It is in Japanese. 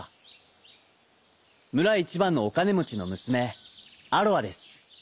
むらいちばんのおかねもちのむすめアロアです。